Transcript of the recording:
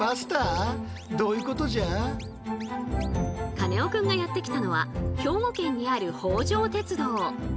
カネオくんがやって来たのは兵庫県にある北条鉄道。